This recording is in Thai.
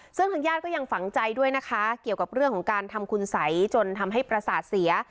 ซึ่งทางญาติก็ยังฝังใจด้วยนะคะเกี่ยวกับเรื่องของการทำคุณสัยจนทำให้ประสาทเสีย